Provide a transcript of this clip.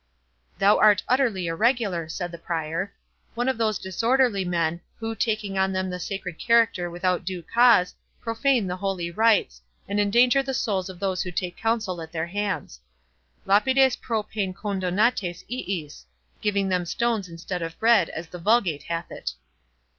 "Thou art utterly irregular," said the Prior; "one of those disorderly men, who, taking on them the sacred character without due cause, profane the holy rites, and endanger the souls of those who take counsel at their hands; 'lapides pro pane condonantes iis', giving them stones instead of bread as the Vulgate hath it."